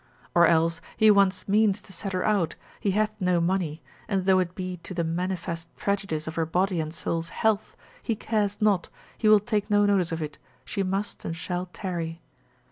Or else he wants means to set her out, he hath no money, and though it be to the manifest prejudice of her body and soul's health, he cares not, he will take no notice of it, she must and shall tarry.